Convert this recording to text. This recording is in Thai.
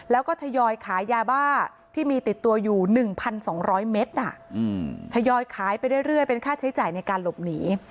แล้วก็ทยอยขายยาบ้าที่มีติดตัวอยู่๑๒๐๐เมตรทยอยขายไปเรื่อยเป็นค่าใช้จ่ายในการหลบหนี